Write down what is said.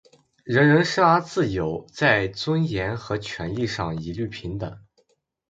人人生而自由，在尊严和权利上一律平等。